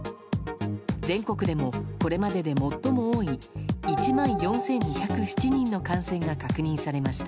全国でこれまでで最も多い１万４２０７人の感染が確認されました。